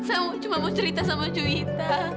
saya cuma mau cerita sama joyta